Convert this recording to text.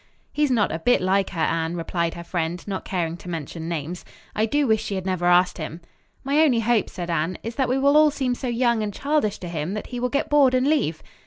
"He's not a bit like her, Anne," replied her friend, not caring to mention names. "I do wish she had never asked him." "My only hope," said Anne, "is that we will all seem so young and childish to him that he will get bored and leave."